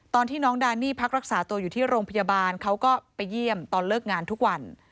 ตอนที่น้องดานี่พักรักษาตัวอยู่ที่โรงพยาบาลเขาก็ไปเยี่ยมตอนเลิกงานทุกวัน